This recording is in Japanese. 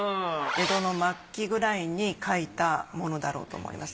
江戸の末期くらいに描いたものだろうと思います。